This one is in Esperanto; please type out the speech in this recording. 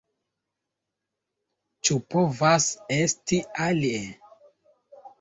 Ĉu povas esti alie?